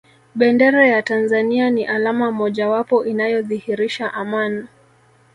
bendera ya tanzania ni alama moja wapo inayodhihirisha aman